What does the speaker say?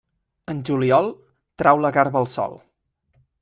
En juliol, trau la garba al sol.